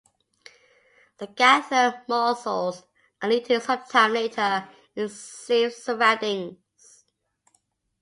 The gathered morsels are eaten sometime later, in safe surroundings.